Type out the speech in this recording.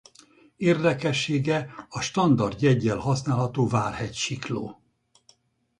Érdekessége a standard jeggyel használható Várhegy-sikló.